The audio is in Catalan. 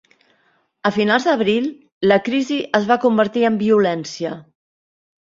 A finals d'abril, la crisi es va convertir en violència.